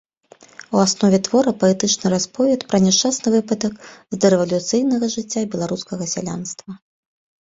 У аснове твора паэтычны расповед пра няшчасны выпадак з дарэвалюцыйнага жыцця беларускага сялянства.